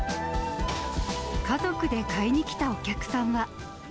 家族で買いに来たお客さんは。